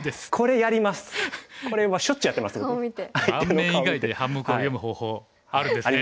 盤面以外で半目を読む方法あるんですね。